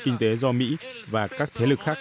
kinh tế do mỹ và các thế lực khác